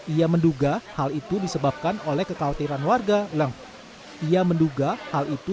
ia menduga hal itu disebabkan oleh kekhawatiran warga dengan adanya wabah pmk